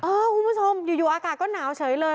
คุณผู้ชมอยู่อากาศก็หนาวเฉยเลย